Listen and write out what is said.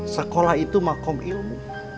sekolah itu makom ilmu